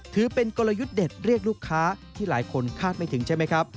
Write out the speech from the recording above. ถือเป็นกลยุทธ์เด็ดเรียกลูกค้าที่หลายคนคาดไม่ถึงใช่ไหมครับ